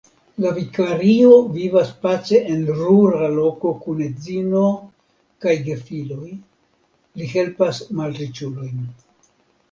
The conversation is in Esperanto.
La vikario vivas pace en rura loko kun edzino kaj gefiloj; li helpas malriĉulojn.